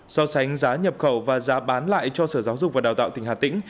so sánh giá nhập khẩu và giá bán lại cho sở giáo dục và đào tạo tỉnh hà tĩnh